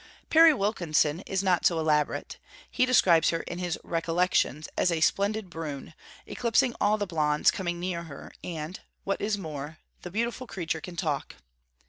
Perry Wilkinson is not so elaborate: he describes her in his 'Recollections' as a splendid brune, eclipsing all the blondes coming near her: and 'what is more, the beautiful creature can talk.'